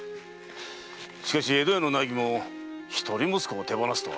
しかし江戸屋の内儀も一人息子を手放すとはな。